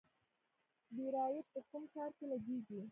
بیرایت په کوم کار کې لګیږي؟